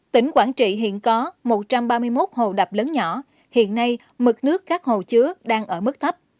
tỉnh quảng trị hiện có một trăm ba mươi một hồ đập lớn nhỏ hiện nay mực nước các hồ chứa đang ở mức thấp